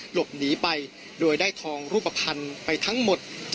หลบหนีไปโดยได้ทองรูปภัณฑ์ไปทั้งหมด